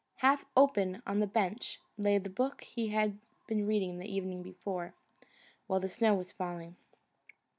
Half open on the bench lay the book that he had been reading the evening before, while the snow was falling.